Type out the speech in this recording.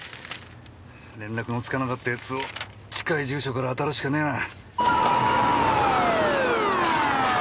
連絡のつかなかった奴を近い住所から当たるしかねぇな。